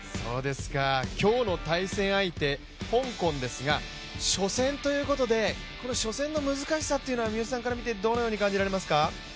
今日の対戦相手香港ですが初戦ということでこの初戦の難しさっていうのはどのように感じられますか？